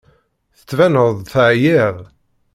Tettbaneḍ-d teɛyiḍ.